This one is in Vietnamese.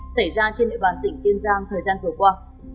xảy ra trên nội bàn tỉnh tiên giang thời gian vừa qua